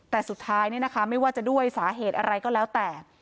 แต่สุดท้ายไม่ว่าจะด้วยสาเหตุอะไรก็แล้วแต่